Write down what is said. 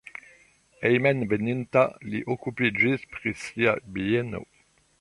Hejmenveninta li okupiĝis pri sia bieno.